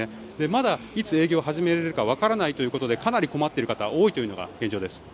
まだいつ営業を始められるかわからないということでかなり困っている方が多いというのが現状です。